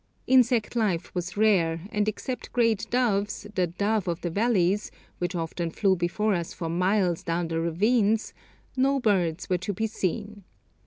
Insect life was rare, and except grey doves, the 'dove of the valleys,' which often flew before us for miles down the ravines, no birds were to be seen.